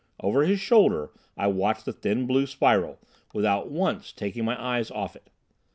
Over his shoulder I watched the thin blue spiral, without once taking my eyes off it.